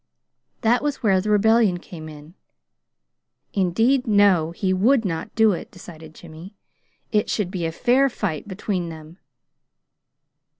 That was where the rebellion came in. Indeed, no, he would not do it, decided Jimmy. It should be a fair fight between them.